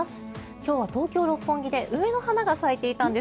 今日は東京・六本木で梅の花が咲いていたんです。